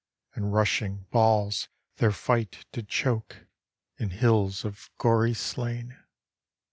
And rushing balls their fight did choke In hills of gory slain.